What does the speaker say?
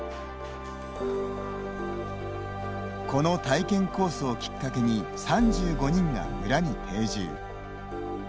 この体験コースをきっかけに３５人が村に定住。